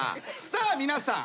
さあ皆さん